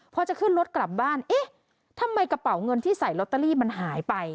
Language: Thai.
พอจะขึ้นรถกลับบ้านเอ๊ะทำไมกระเป๋าเงินที่ใส่ลอตเตอรี่มันหายไป